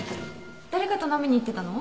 誰かと飲みに行ってたの？